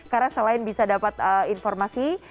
karena selain bisa dapat informasi